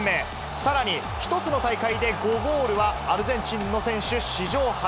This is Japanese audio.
さらに、１つの大会で５ゴールは、アルゼンチンの選手史上初。